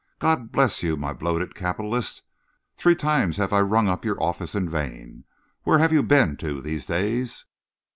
"God bless you, my bloated capitalist! Three times have I rung up your office in vain. Where have you been to, these days?"